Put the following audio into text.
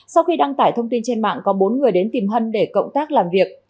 sau khi đăng tải thông tin trên mạng có bốn người đến tìm hân để cộng tác làm việc